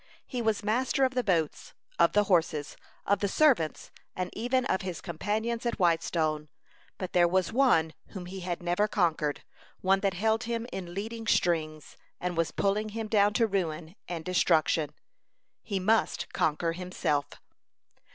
He was master of the boats, of the horses, of the servants, and even of his companions at Whitestone; but there was one whom he had never conquered one that held him in leading strings, and was pulling him down to ruin and destruction. He must conquer himself.